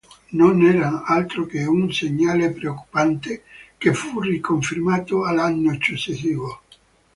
Non era altro che un segnale preoccupante che fu riconfermato l'anno successivo.